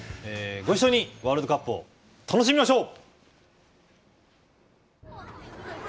ご一緒にワールドカップを楽しみましょう！